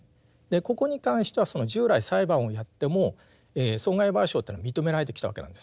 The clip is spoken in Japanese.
ここに関しては従来裁判をやっても損害賠償というのは認められてきたわけなんです。